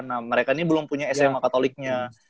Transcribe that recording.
nah mereka ini belum punya sma katoliknya